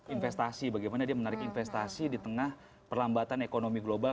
investasi bagaimana dia menarik investasi di tengah perlambatan ekonomi global